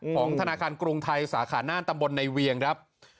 ของธนาคารกรุงไทยสาขาน่านตำบลในเวียงครับ